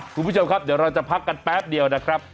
คุณผู้ชมครับเดี๋ยวเราจะพักกันแป๊บเดียวนะครับ